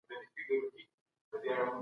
کیکڼه 🦀